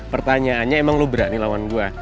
pertanyaannya emang lo berani lawan gue